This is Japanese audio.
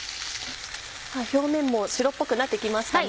表面も白っぽくなってきましたね。